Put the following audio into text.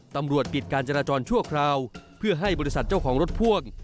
ปิดการจราจรชั่วคราวเพื่อให้บริษัทเจ้าของรถพ่วง